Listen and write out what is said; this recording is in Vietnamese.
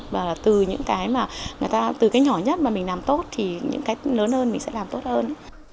và từ những cái nhỏ nhất mà mình làm tốt thì những cái lớn hơn mình sẽ làm tốt hơn